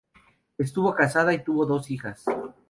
Estuvo casada y tuvo dos hijas.